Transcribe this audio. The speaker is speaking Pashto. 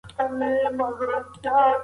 دا پیغام باید ټولو خلکو ته ورسول شي.